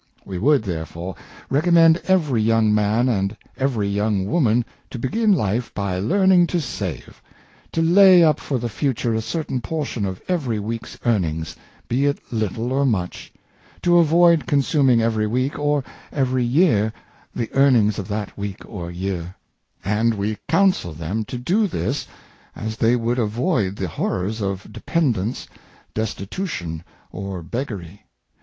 We would, therefore, recommend every young man and every young woman to begin life by learning to save; to lay up for the future a certain portion of every week's earnings, be it little or much; to avoid consum ing every week or every year the earnings of that week or year; and we counsel them to do this, as they would avoid the horrors of dependence, destitution, or Depositors in Savings Banks, 435 beggary.